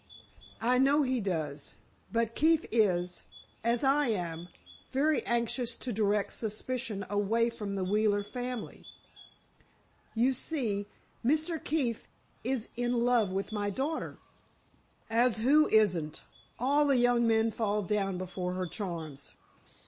"I know he does, but Keefe is—as I am—very anxious to direct suspicion away from the Wheeler family. You see, Mr. Keefe is in love with my daughter——" "As who isn't? All the young men fall down before her charms!"